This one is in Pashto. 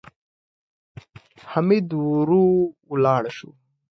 حميد ورو ولاړ شو.